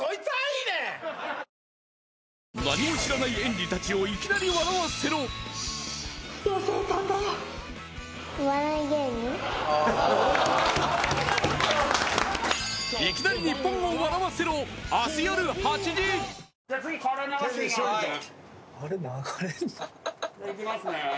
いきますね。